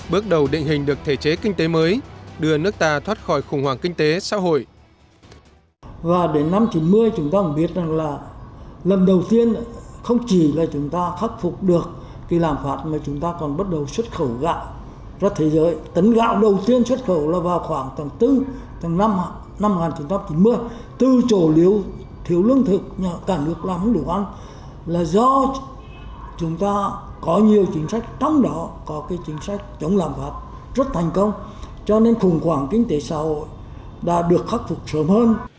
bước đầu định hình được thể chế kinh tế mới đưa nước ta thoát khỏi khủng hoảng kinh tế xã hội